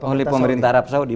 oleh pemerintah arab saudi